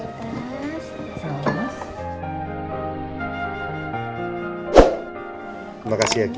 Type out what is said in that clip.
terima kasih ya ki